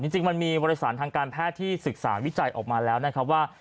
จริงมันมีวัลสารทางการแพทย์ที่ศึกษาวิจัยออกมาแล้วว่า